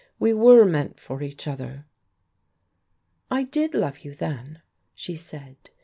We were meant for each other." "I did love you then," she said.